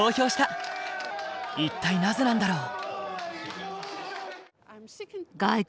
一体なぜなんだろう？